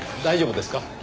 大丈夫ですか？